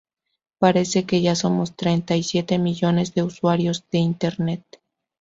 Parece que ya somos treinta y siete millones de usuarias de internet